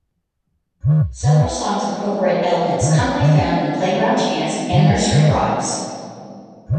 Several songs incorporate elements commonly found in playground chants and nursery rhymes.